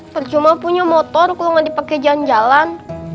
percuma punya motor kok ga dipake jalan jalan